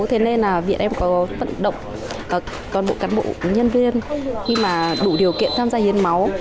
thế nên là viện em có vận động toàn bộ cán bộ nhân viên khi mà đủ điều kiện tham gia hiến máu